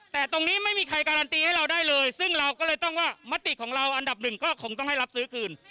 แต่ตรงนี้ไม่มีใครการันตีให้เราได้เลยซึ่งเราก็เลยต้องว่ามติของเราอันดับหนึ่งก็คงต้องให้รับซื้อคืน